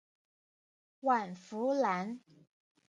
阮福澜。